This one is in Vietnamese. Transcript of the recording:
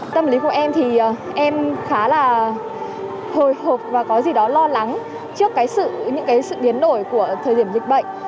tâm lý của em thì em khá là hồi hộp và có gì đó lo lắng trước những sự biến đổi của thời điểm dịch bệnh